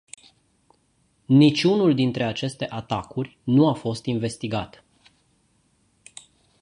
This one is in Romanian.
Niciunul dintre aceste atacuri nu a fost investigat.